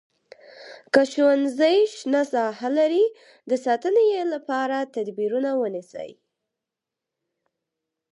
که ښوونځی شنه ساحه لري د ساتنې لپاره تدبیرونه ونیسئ.